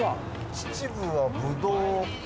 秩父はぶどう。